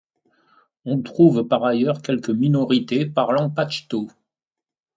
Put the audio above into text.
On trouve par ailleurs quelques minorités parlant pachto.